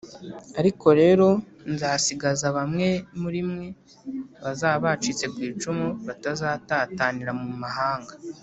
Ariko rero, nzasigaza bamwe muri mwe bazaba bacitse ku icumu batazatatanira mu mahanga